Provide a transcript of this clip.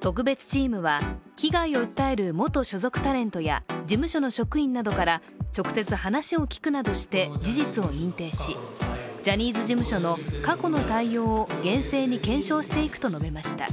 特別チームは被害を訴える元所属タレントや事務所の職員などから直接、話を聞くなどして事実を隠ぺいしジャニーズ事務所の過去の対応を厳正に検証していくと述べました。